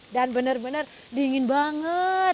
dan bener bener dingin banget